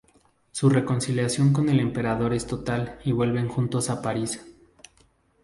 Su reconciliación con el emperador es total y vuelven juntos a París.